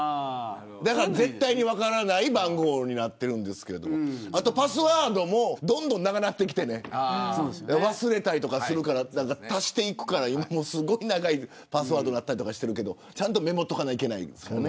だから絶対に分からない番号になってるんですけどパスワードもどんどん長くなってきて忘れたりするから足していくからすごく長いパスワードになったりしてるけどちゃんとメモしておかないといけないです。